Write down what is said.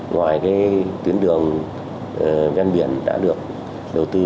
ngoài cái tuyến đường ven biển đã được đầu tư